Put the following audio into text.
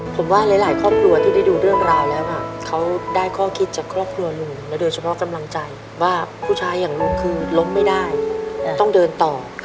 ผมว่าหลายครอบครัวที่ได้ดูเรื่องราวแล้วเขาได้ข้อคิดจากครอบครัวลุงและโดยเฉพาะกำลังใจว่าผู้ชายอย่างลุงคือล้มไม่ได้ต้องเดินต่อ